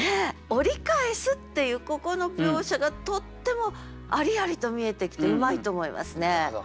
「折りかへす」っていうここの描写がとってもありありと見えてきてうまいと思いますね。